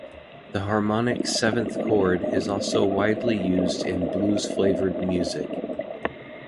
The harmonic seventh chord is also widely used in blues-flavored music.